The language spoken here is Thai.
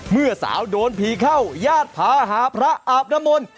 เมื่อสาวโดนผีเข้ายาดพาหาพระอาบนมล